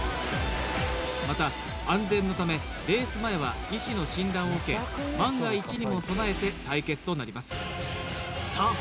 また安全のためレース前は医師の診断を受け万が一にも備えて対決となりますさあ